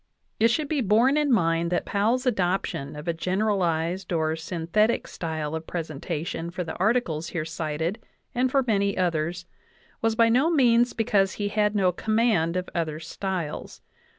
It should be borne in mind that Powell's adoption of a gen eralized or synthetic style of presentation for the articles here cited and for many others was by no means because he had no command of other styles.